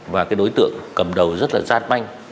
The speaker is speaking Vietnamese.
và cái đối tượng cầm đầu rất là gian manh